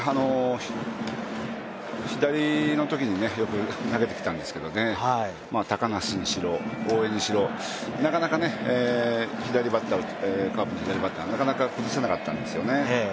左のときによく投げてきたんですけど、高梨にしろ、大江にしろ、カープの左バッターをなかなか崩せなかったんですよね。